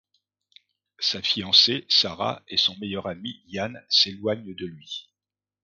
Sa fiancée, Sarah, et son meilleur ami, Yann, s'éloignent de lui.